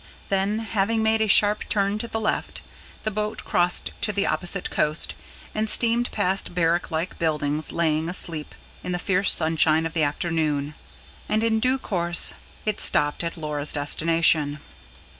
Then, having made a sharp turn to the left, the boat crossed to the opposite coast, and steamed past barrack like buildings lying asleep in the fierce sunshine of the afternoon; and, in due course, it stopped at Laura's destination.